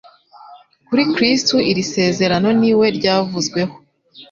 Kuri Kristo iri sezerano ni we ryavuzweho